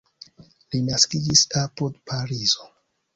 Li naskiĝis apud Parizo.